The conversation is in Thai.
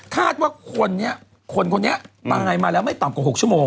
คาดว่าคนนี้คนคนนี้ตายมาแล้วไม่ต่ำกว่า๖ชั่วโมง